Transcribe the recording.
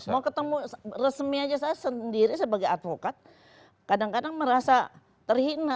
mau ketemu resmi aja saya sendiri sebagai advokat kadang kadang merasa terhina